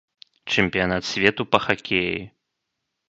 Чэмпіянат свету па хакеі.